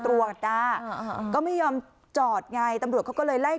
ก็ไม่ยอมจอดไงตำรวจเขาก็เลยไล่